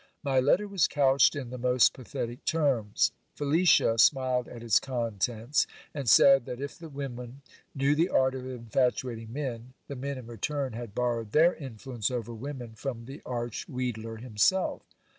My letter was couched in the m.«t pathetic terms. Felicia smiled at its contents ; and said, that if the 320 GIL BLAS. women knew the art of infatuating men, the men in return had borrowed their influence over women from the arch wheedler himself.